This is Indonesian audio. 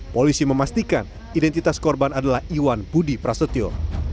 polisi memastikan identitas korban adalah iwan budi prasetyo